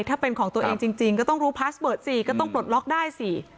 ถ้าเป็นของตัวเองจริงก็ต้องรู้พาสเบิร์ดสิก็ต้องปลดล็อกได้สิ